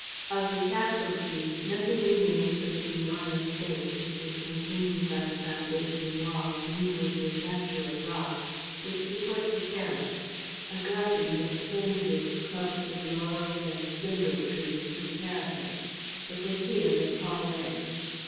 Of the castle keep nothing remains but its enormous base, which is continued by the foundation walls, mingled with natural rocks, which support the terrace. A garden extends its clumps of laurels and spindle trees to the parapet. It was here that Paul went.